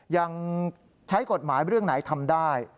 ยังใช้กฎหมายเรื่องไหนทำได้